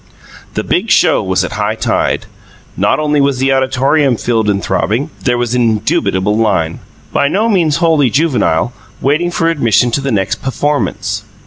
The Big Show was at high tide. Not only was the auditorium filled and throbbing; there was an indubitable line by no means wholly juvenile waiting for admission to the next pufformance.